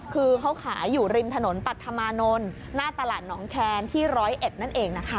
คือเขาขายอยู่ริมถนนปัตธมานลหน้าตลาดน้องแคนที่๑๐๑นั่นเอง